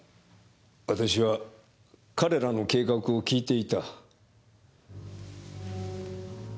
私は彼らの計画を聞いていた。